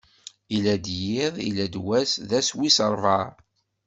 Illa-d yiḍ, illa-d wass: d ass wis ṛebɛa.